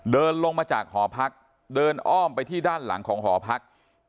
เดินลงมาจากหอพักเดินอ้อมไปที่ด้านหลังของหอพัก